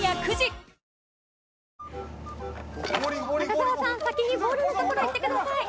そして中澤さん先にボールの所へ行ってください